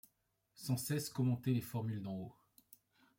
Sans cesse commenter les formules d’en haut